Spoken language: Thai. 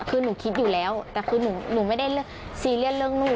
คือหนูคิดอยู่แล้วแต่คือหนูไม่ได้ซีเรียสเรื่องลูก